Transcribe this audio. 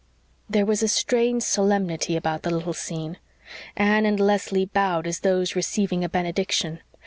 There was a strange solemnity about the little scene. Anne and Leslie bowed as those receiving a benediction.